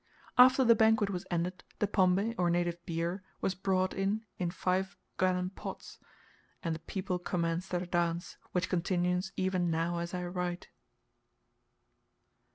After the banquet was ended, the pombe, or native beer, was brought in in five gallon pots, and the people commenced their dance, which continues even now as I write.